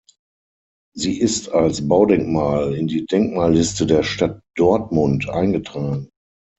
Sie ist als Baudenkmal in die Denkmalliste der Stadt Dortmund eingetragen.